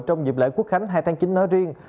trong dịp lễ quốc khánh hai tháng chín nói riêng